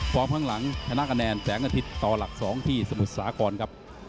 ข้างหลังชนะคะแนนแสงอาทิตย์ต่อหลัก๒ที่สมุทรสาครครับ